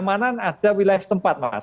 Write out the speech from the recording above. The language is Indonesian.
maka mereka bisa memiliki kekecewaan